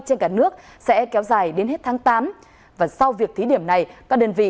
trên cả nước sẽ kéo dài đến hết tháng tám